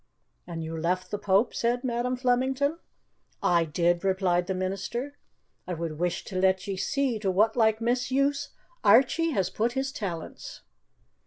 "And you left the Pope?" said Madam Flemington. "I did," replied the minister. "I would wish to let ye see to whatlike misuse Airchie has put his talents."